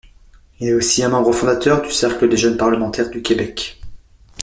Il est aussi un membre fondateur du Cercle des jeunes parlementaires du Québec.